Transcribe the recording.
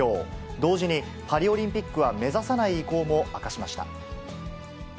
同時にパリオリンピックは目指さない意向も明かしました。